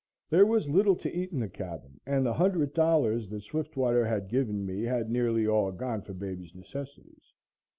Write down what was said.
There was little to eat in the cabin and the $100 that Swiftwater had given me had nearly all gone for baby's necessities.